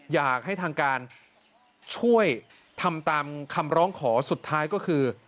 อยากให้ทางการช่วยทำตามคำร้องขอสุดท้ายก็คือ